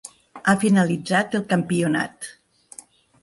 Ha finalitzat el campionat.